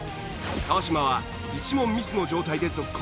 川島は１問ミスの状態で続行。